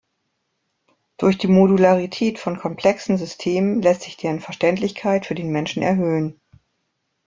Durch die Modularität von komplexen Systemen lässt sich deren Verständlichkeit für den Menschen erhöhen.